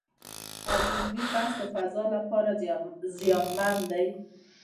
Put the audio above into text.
او د علمي بحث د فضا لپاره زیانمن دی